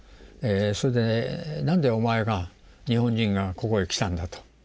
それでなんでお前が日本人がここへ来たんだと。